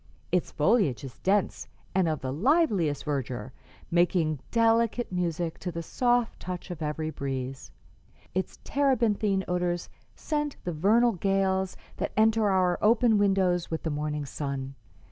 Its foliage is dense and of the liveliest verdure, making delicate music to the soft touch of every breeze. Its terebinthine odors scent the vernal gales that enter our open windows with the morning sun.